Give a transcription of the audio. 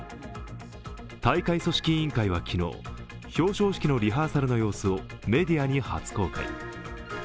大会組織委員会は昨日、表彰式のリハーサルの様子をメディアに初公開。